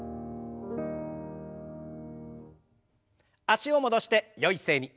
脚を戻してよい姿勢に。